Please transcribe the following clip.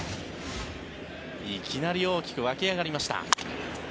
いきなり大きく沸き上がりました。